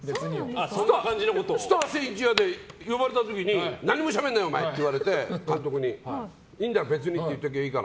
「スター千一夜」で呼ばれた時に何もしゃべるなよって言われていいんだよ、別にって言っておけばって。